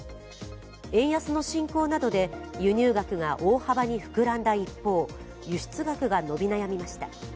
円安の進行などで輸入額が大幅に膨らんだ一方輸出額が伸び悩みました。